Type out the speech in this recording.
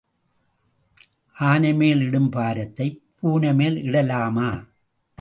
ஆனைமேல் இடும் பாரத்தைப் பூனை மேல் இடலாமா?